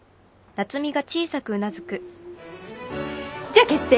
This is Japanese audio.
じゃあ決定。